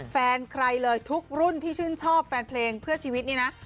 แฟนใครเลยทุกรุ่นที่ชื่นชอบแฟนเพลงเพื่อชีวิตนี่นะ